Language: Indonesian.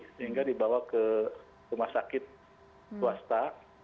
sehingga dibawa ke rumah sakit swasta